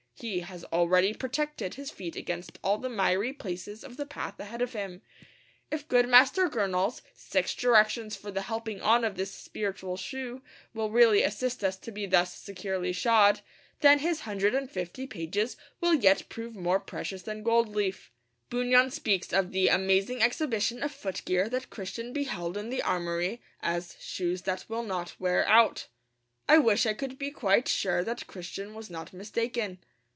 He has already protected his feet against all the miry places of the path ahead of him. If good Master Gurnall's 'six directions for the helping on of this spiritual shoe' will really assist us to be thus securely shod, then his hundred and fifty pages will yet prove more precious than gold leaf. Bunyan speaks of the amazing exhibition of footgear that Christian beheld in the armoury as 'shoes that will not wear out.' I wish I could be quite sure that Christian was not mistaken.